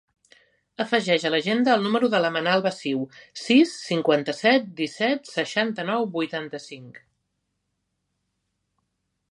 Afegeix a l'agenda el número de la Manal Baciu: sis, cinquanta-set, disset, seixanta-nou, vuitanta-cinc.